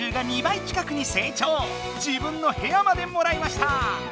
自分のへやまでもらいました！